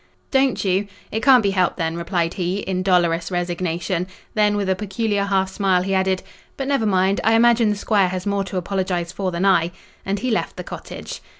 "Don't you; it can't be helped then," replied he, in dolorous resignation: then, with a peculiar half smile, he added, "But never mind; I imagine the squire has more to apologise for than I;" and left the cottage.